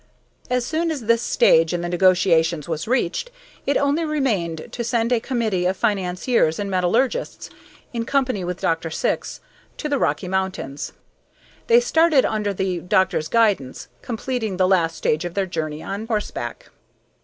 As soon as this stage in the negotiations was reached, it only remained to send a committee of financiers and metallurgists, in company with Dr. Syx, to the Rocky Mountains. They started under the doctor's guidance, completing the last stage of their journey on horseback.